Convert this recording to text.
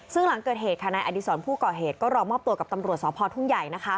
ซึ่งหลังเกิดเหตุฯคณะอดีศรผู้ก่อเหตุก็ล้อมอบตัวกับตำรวจสขพทูกใหญ่นะคะ